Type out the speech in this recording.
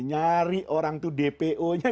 nyari orang itu dpo nya